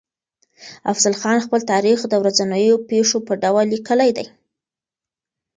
افضل خان خپل تاريخ د ورځنيو پېښو په ډول ليکلی دی.